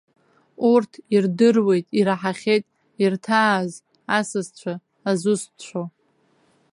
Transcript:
Урҭ ирдыруеит, ираҳахьеит ирҭааз асасцәа азусҭцәоу.